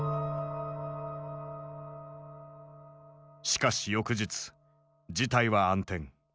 しかし翌日事態は暗転。